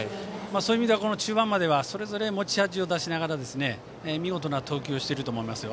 そういう意味では、中盤まではそれぞれ持ち味を出しながら見事な投球をしていると思います。